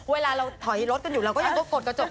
เวลาเราถอยรถกันอยู่เราก็ยังต้องกดกระจก